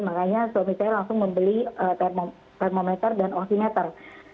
makanya suami saya langsung membeli termometer dan oksimeter